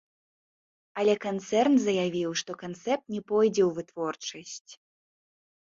Але канцэрн заявіў, што канцэпт не пойдзе ў вытворчасць.